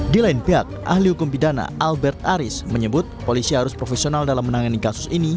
di lain pihak ahli hukum pidana albert aris menyebut polisi harus profesional dalam menangani kasus ini